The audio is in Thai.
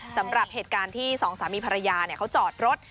สำหรับเหตุการณ์ที่สองสามีภรรยาเขาจอดรถ